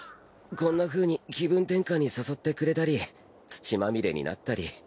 こんなふうに気分転換に誘ってくれたり土まみれになったり。